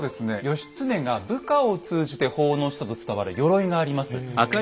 義経が部下を通じて奉納したと伝わる鎧があります。